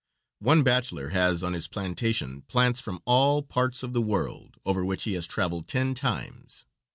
One bachelor has on his plantation plants from all parts of the world, over which he has traveled ten times.